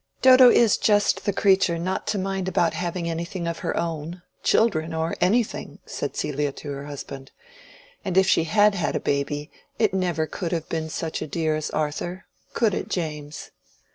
"Dodo is just the creature not to mind about having anything of her own—children or anything!" said Celia to her husband. "And if she had had a baby, it never could have been such a dear as Arthur. Could it, James?